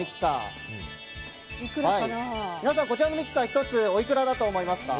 皆さん、こちらのミキサー１つおいくらだと思いますか？